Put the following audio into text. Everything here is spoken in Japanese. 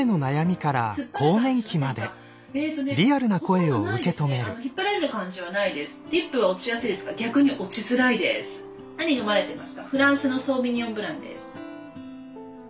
フランスのソーヴィニヨン・ブランです。